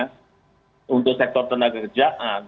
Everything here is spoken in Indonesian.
untuk sektor tenaga kerjaan